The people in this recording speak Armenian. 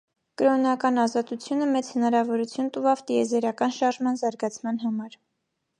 Կրօնական ազատութիւնը մեծ հնարաւորութիւն տուաւ տիեզերական շարժման զարգացման համար։